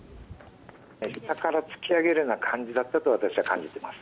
下から突き上げるような感じだったと私は感じています。